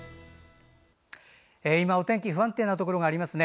今、お天気不安定なところがありますね。